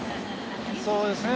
そうですね。